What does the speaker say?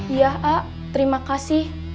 iya a terima kasih